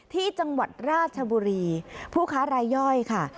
ที่จังหวัดราชบุรีผู้ค้ารายย่อยค่ะ